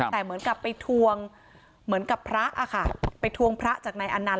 แต่เหมือนกับไปทวงเหมือนกับพระอะค่ะไปทวงพระจากนายอนันต